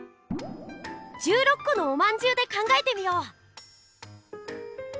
このおまんじゅうで考えてみよう！